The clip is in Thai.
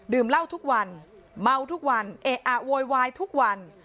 เหล้าทุกวันเมาทุกวันเอะอะโวยวายทุกวัน